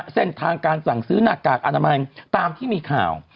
เส้นทางการสั่งซื้อหน้ากากอนามัยตามที่มีข่าว